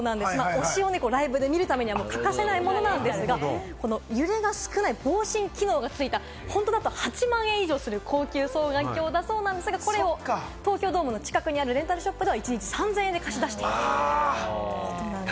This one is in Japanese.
推しをライブで見るためには欠かせないものなんですが、揺れが少ない防振機能がついた、本当だと８万円以上する高級双眼鏡なんですが、東京ドームの近くにある無人レンタルショップでは一日３０００円で貸し出しているそうです。